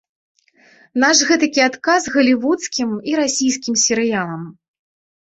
Наш гэтакі адказ галівудскім і расійскім серыялам.